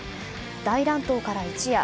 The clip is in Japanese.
大乱闘から一夜。